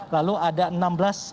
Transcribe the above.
lalu ada enam belas